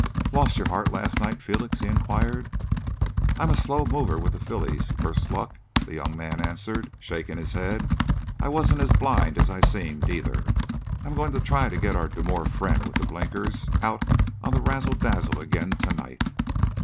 "Lose your heart last night, Felix?" he enquired. "I'm a slow mover with the fillies, worse luck!" the young man answered, shaking his head. "I wasn't as blind as I seemed, either. I am going to try and get our demure friend with the blinkers out on the razzle dazzle again to night."